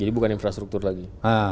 jadi bukan infrastruktur lagi